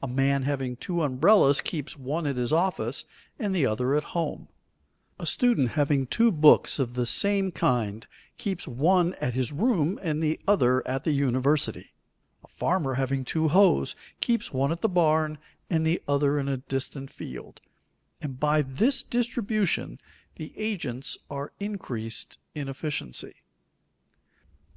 A man having two umbrellas keeps one at his office and the other at home; a student having two books of the same kind keeps one at his room and the other at the university; a farmer having two hoes keeps one at the barn and the other in a distant field, and by this distribution the agents are increased in efficiency.